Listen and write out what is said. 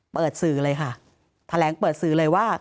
สื่อเลยค่ะแถลงเปิดสื่อเลยว่า